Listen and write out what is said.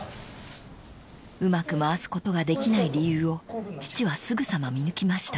［うまく回すことができない理由を父はすぐさま見抜きました］